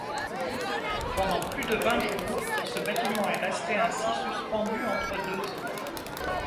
Pendant plus de vingt jours, ce bâtiment est resté ainsi suspendu entre deux eaux.